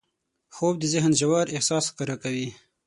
خوب د ذهن ژور احساس ښکاره کوي